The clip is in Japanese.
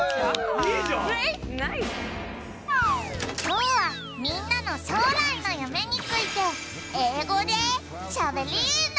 きょうはみんなの将来の夢について英語でしゃべりーな！